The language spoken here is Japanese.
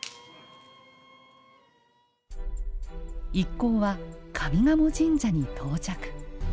一行は上賀茂神社に到着。